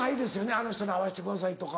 あの人に会わしてくださいとか。